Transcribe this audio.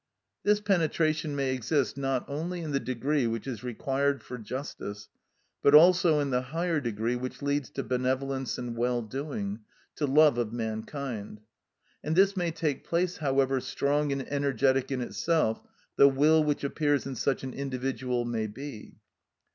This penetration may exist not only in the degree which is required for justice, but also in the higher degree which leads to benevolence and well doing, to love of mankind. And this may take place however strong and energetic in itself the will which appears in such an individual may be.